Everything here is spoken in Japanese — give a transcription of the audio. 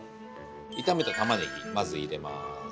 炒めた玉ねぎまず入れます。